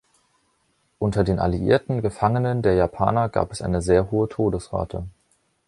Unter den alliierten Gefangenen der Japaner gab es eine sehr hohe Todesrate.